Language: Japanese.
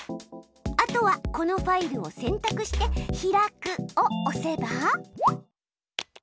あとはこのファイルをせんたくして「開く」を押せば。